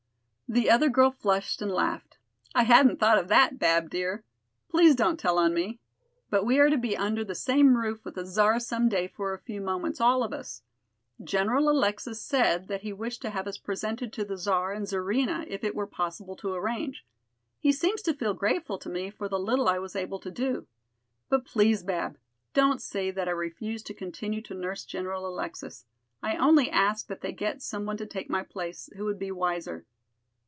The other girl flushed and laughed. "I hadn't thought of that, Bab dear. Please don't tell on me. But we are to be under the same roof with the Czar some day for a few moments, all of us. General Alexis said that he wished to have us presented to the Czar and Czarina, if it were possible to arrange. He seems to feel grateful to me for the little I was able to do. But please, Bab, don't say that I refused to continue to nurse General Alexis. I only asked that they get some one to take my place, who would be wiser."